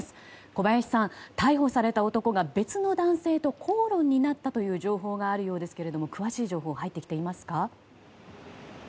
小林さん、逮捕された男が別の男性と口論になったという情報があるようですが詳しい情報入ってきていますか。